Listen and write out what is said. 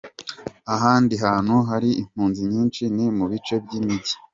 Ahandi hantu hari impunzi nyinshi ni mu bice by’imijyi.